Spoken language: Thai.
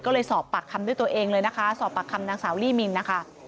ก็เลยสอบปากคำด้วยตัวเองเลยนะคะสอบปากคำนางสาวลี่มินนะคะ